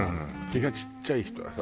気がちっちゃい人はさ。